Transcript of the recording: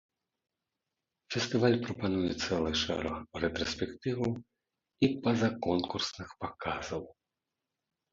Фестываль прапануе цэлы шэраг рэтраспектываў і па-за конкурсных паказаў.